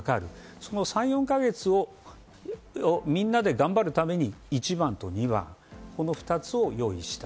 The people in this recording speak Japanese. その３４か月をみんなで頑張るために１番と２番、２つを用意した。